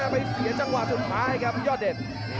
ไปเสียจังหวะสุดท้ายครับยอดเดช